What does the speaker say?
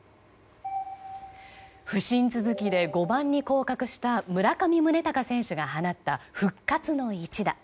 不振続きで５番に降格した村上宗隆選手が放った復活の一打。